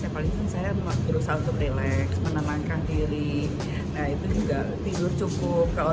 yang paling saya cuma berusaha untuk relax menenangkan diri naik juga tidur cukup kalau